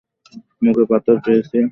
মুখে পাথর পেয়েছি।